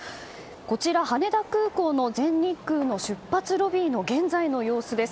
こちら羽田空港の全日空の出発ロビーの現在の様子です。